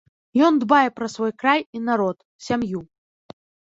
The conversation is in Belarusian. Ён дбае пра свой край і народ, сям'ю.